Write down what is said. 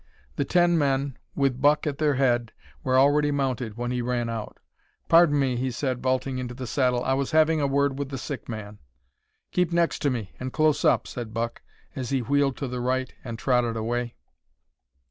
The ten men with Buck at their head were already mounted when he ran out. "Pardon me," he said, vaulting into the saddle, "I was having a word with the sick man." "Keep next to me, and close up," said Buck, as he wheeled to the right and trotted away.